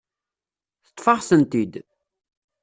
Teṭṭef-aɣ-tent-id.